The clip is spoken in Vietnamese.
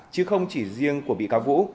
chứ không chỉ riêng của bị cáo vũ